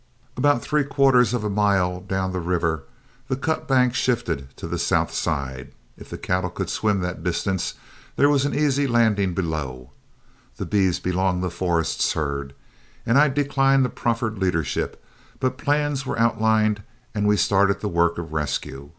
About three quarters of a mile down the river the cut bank shifted to the south side. If the cattle could swim that distance there was an easy landing below. The beeves belonged to Forrest's herd, and I declined the proffered leadership, but plans were outlined and we started the work of rescue.